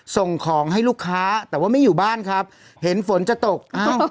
ส่งของให้ลูกค้าแต่ว่าไม่อยู่บ้านครับเห็นฝนจะตกอ้าว